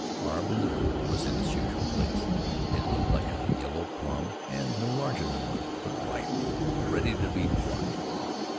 Our balloon was in its usual place. It looked like a yellow plum, and no larger than one; but ripe, ready to be plucked.